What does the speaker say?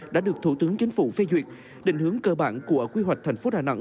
đã được thủ tướng chính phủ phê duyệt định hướng cơ bản của quy hoạch thành phố đà nẵng